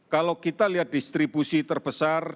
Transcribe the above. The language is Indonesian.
kalau kita lihat distribusi terbesar